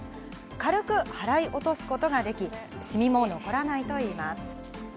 軽く払い落とすことができ、シミも残らないといいます。